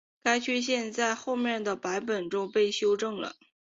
该缺陷在后来的版本中被修正了。